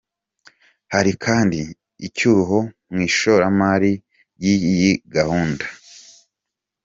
Hari kandi icyuho mu ishoramari ry’iyi gahunda n’izindi.